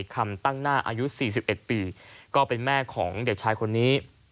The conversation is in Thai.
คำตั้งหน้าอายุ๔๑ปีก็เป็นแม่ของเด็กชายคนนี้